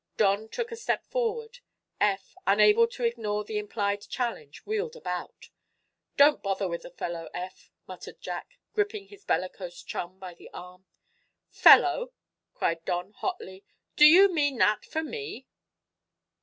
Don took a step forward. Eph, unable to ignore the implied challenge, wheeled about. "Don't bother with the fellow, Eph," muttered Jack, gripping his bellicose chum by the arm. "'Fellow'?" cried Don, hotly. "Do you mean that for me?"